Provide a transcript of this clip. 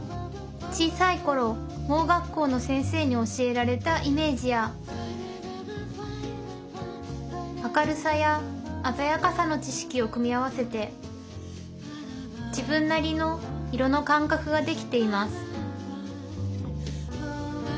小さい頃盲学校の先生に教えられたイメージや明るさや鮮やかさの知識を組み合わせて自分なりの色の感覚ができています